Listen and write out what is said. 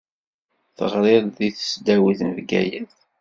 Teɣṛiḍ di tesdawit n Bgayet.